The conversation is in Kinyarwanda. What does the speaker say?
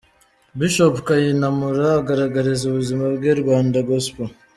Bishop Kayinamura, agaragariza ubuzima bwe rwandagospel.